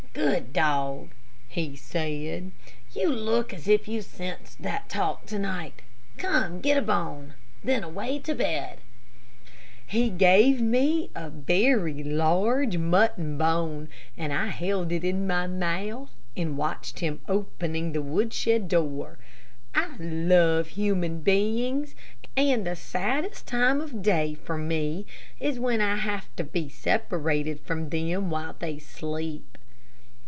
"Good dog," he said; "you look as if you sensed that talk to night. Come, get a bone, and then away to bed." He gave me a very large mutton bone, and I held it in my mouth, and watched him opening the woodshed door. I love human beings; and the saddest time of day for me is when I have to be separated from them while they sleep.